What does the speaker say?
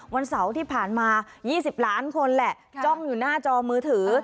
วันเสาร์ที่ผ่านมา๒๐ล้านคนแหละจ้องอยู่หน้าจอมือถือ